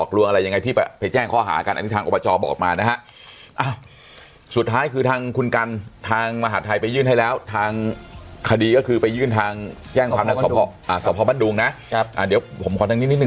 กลัวอะไรยังไงที่ไปแจ้งข้อหาการอันทรัพย์ทางอบจรบอก